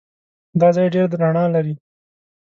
دا ځای ډېر رڼا لري.